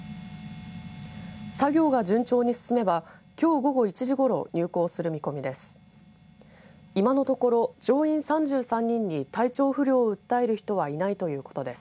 作業が順調に進めばきょう午後１時ごろ入港する見込みです。